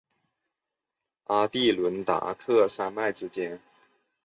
阿第伦达克山脉之间。